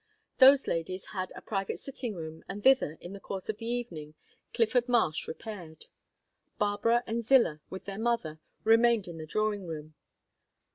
Those ladies had a private sitting room, and thither, in the course of the evening, Clifford Marsh repaired. Barbara and Zillah, with their mother, remained in the drawing room.